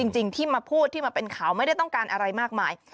จริงที่มาพูดที่มาเป็นข่าวไม่ได้ต้องการอะไรมากมาย